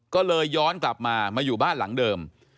ก็เลยย้อนกลับมามาอยู่บ้านหลังเดิม